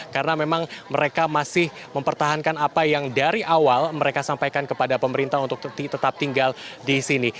karena memang mereka masih mempertahankan apa yang dari awal mereka sampaikan kepada pemerintah untuk tetap tinggal di sini